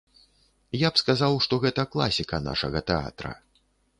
Я б сказаў, што гэта класіка нашага тэатра.